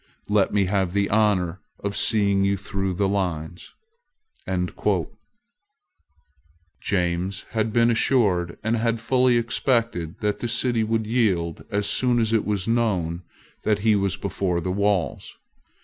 Let me have the honour of seeing you through the lines." James had been assured, and had fully expected, that the city would yield as soon as it was known that he was before the walls.